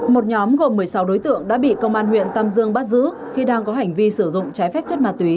một nhóm gồm một mươi sáu đối tượng đã bị công an huyện tam dương bắt giữ khi đang có hành vi sử dụng trái phép chất ma túy